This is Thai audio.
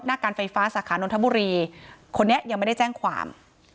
การไฟฟ้าสาขานนทบุรีคนนี้ยังไม่ได้แจ้งความ